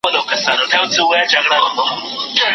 که ماشوم ته د نورو ژبو اهمیت وښیو، نو ښه پرمختګ به وکړي.